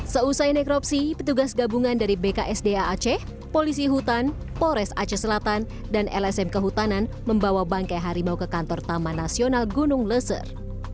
seusai nekropsi petugas gabungan dari bksda aceh polisi hutan polres aceh selatan dan lsm kehutanan membawa bangkai harimau ke kantor taman nasional gunung leser